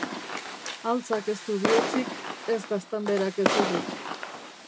Haltzak ez du bihotzik, ez gaztanberak hezurrik.